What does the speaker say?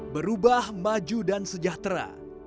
berubah maju dan sejahtera